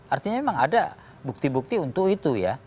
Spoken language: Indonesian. artinya memang ada bukti bukti untuk itu ya